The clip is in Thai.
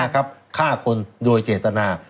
ฆ่าคนโดยเจตนา